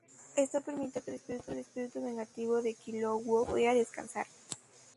A partir de ese momento el público comenzó a conocer su nombre.